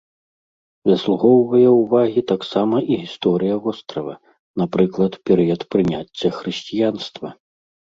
Заслугоўвае ўвагі таксама і гісторыя вострава, напрыклад, перыяд прыняцця хрысціянства.